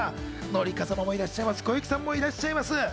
紀香さんもいらっしゃいます、小雪さんもいらっしゃいます。